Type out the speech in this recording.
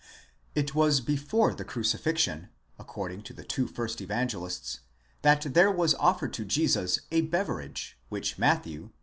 It was before the crucifixion, according to the two first Evangelists, that there was offered to Jesus a beverage, which Matthew (v.